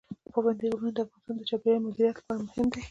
پابندي غرونه د افغانستان د چاپیریال مدیریت لپاره مهم دي.